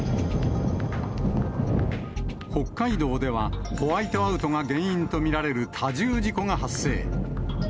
北海道では、ホワイトアウトが原因と見られる多重事故が発生。